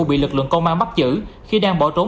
bị lực lượng công an bắt giữ khi đang bỏ trốn